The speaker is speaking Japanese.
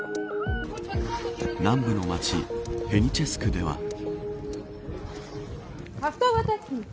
南部の町、ヘニチェスクでは。